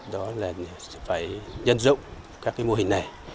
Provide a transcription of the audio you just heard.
đó là phải dân rộng các mô hình này